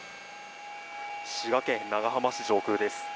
滋賀県長浜市上空です。